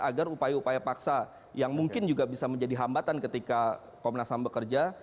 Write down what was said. agar upaya upaya paksa yang mungkin juga bisa menjadi hambatan ketika komnas ham bekerja